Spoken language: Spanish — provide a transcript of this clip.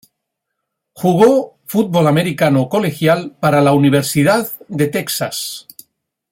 Jugó fútbol americano colegial para la Universidad de Texas.